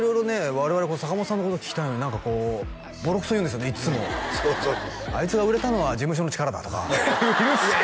我々坂本さんのこと聞きたいのに何かこうボロクソ言うんですよねいっつもそうそうそう「あいつが売れたのは事務所の力だ」とかうるせえな！